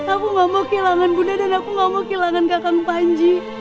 aku gak mau kehilangan budd dan aku gak mau kehilangan kakang panji